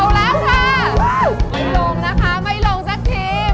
ไม่ลงนะคะไม่ลงสักที